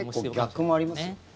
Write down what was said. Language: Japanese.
結構、逆もありますよ。